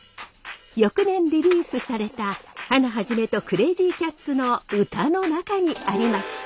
翌年リリースされたハナ肇とクレイジーキャッツの歌の中にありました。